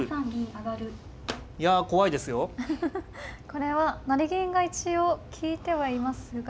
これは成銀が一応利いてはいますが。